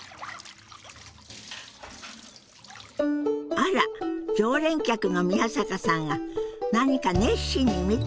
あら常連客の宮坂さんが何か熱心に見ているようよ。